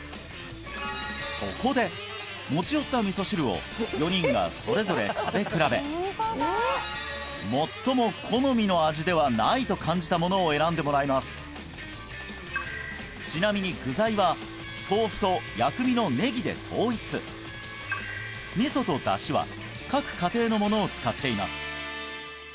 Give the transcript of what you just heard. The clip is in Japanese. そこで持ち寄った味噌汁を４人がそれぞれ食べ比べ最も好みの味ではないと感じたものを選んでもらいますちなみに具材は豆腐と薬味のネギで統一味噌と出汁は各家庭のものを使っています